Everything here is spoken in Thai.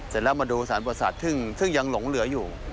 เสร็จแล้วมาดูสารประสาทซึ่งยังหลงเหลืออยู่